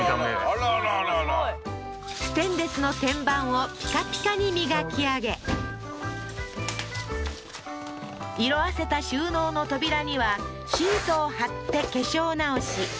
ああーすごいすごいすごいステンレスの天板をピカピカに磨き上げ色あせた収納の扉にはシートを貼って化粧直し